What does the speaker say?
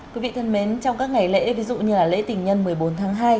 quý vị thân mến trong các ngày lễ ví dụ như lễ tình nhân một mươi bốn tháng hai